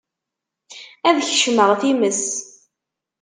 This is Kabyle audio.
Ad kecmeɣ times.